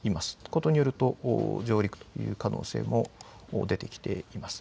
事によると上陸という可能性も出てきています。